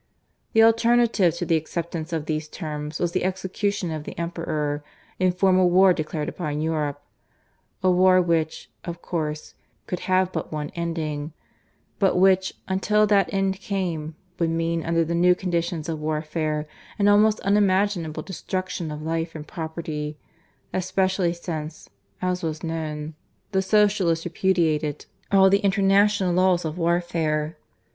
The alternative to the acceptance of these terms was the execution of the Emperor and formal war declared upon Europe a war which, of course, could have but one ending, but which, until that end came, would mean, under the new conditions of warfare, an almost unimaginable destruction of life and property, especially since (as was known) the Socialists repudiated all the international laws of warfare.